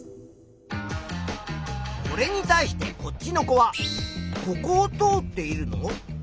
これに対してこっちの子は「ここをとおっているの？」